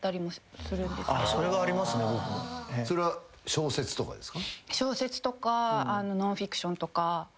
小説とかノンフィクションとか。